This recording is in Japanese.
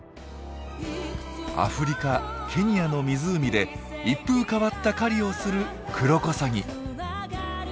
アフリカケニアの湖で一風変わった狩りをするクロコサギ。